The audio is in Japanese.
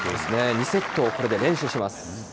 ２セットをこれで連取します。